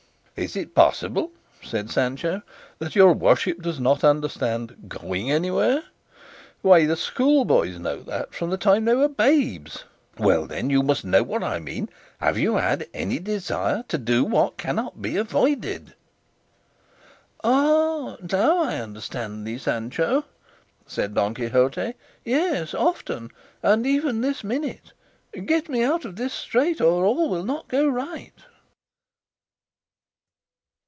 "Is it possible," said Sancho, "that your worship does not understand 'going anywhere'? Why, the schoolboys know that from the time they were babes. Well then, you must know I mean have you had any desire to do what cannot be avoided?" "Ah! now I understand thee, Sancho," said Don Quixote; "yes, often, and even this minute; get me out of this strait, or all will not go right."